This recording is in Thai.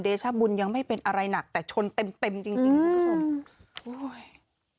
ชบุญยังไม่เป็นอะไรหนักแต่ชนเต็มเต็มจริงจริงคุณผู้ชมโอ้ย